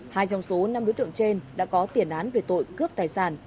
hai trong số năm đối tượng trên đã có tiền án về tội cướp tài sản